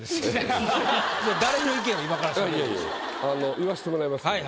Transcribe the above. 言わしてもらいます。